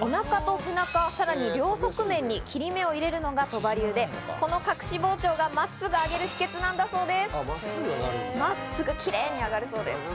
お腹と背中、さらに両側面に切れ目を入れるのが鳥羽流でこの隠し包丁が真っすぐ揚げるコツなんです。